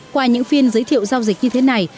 qua những phiên giới thiệu giao dịch như thế này